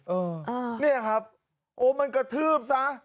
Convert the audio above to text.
เออเนี่ยครับโอ้มันกระทืบซะ